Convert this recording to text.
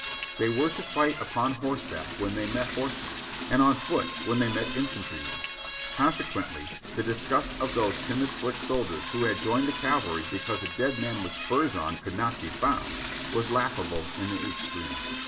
They were to fight upon horseback when they met horsemen, and on foot when they met infantrymen, consequently the disgust of those timid foot soldiers who had joined the cav alry because a dead man with spurs on could not be found, was laughable in the extreme.